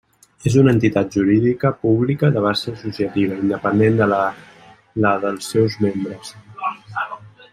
És una entitat jurídica pública de base associativa, independent de la dels seus membres.